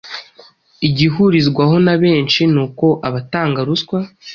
Igihurizwaho na benshi ni uko abatanga ruswa